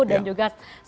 dan juga selamat berjalan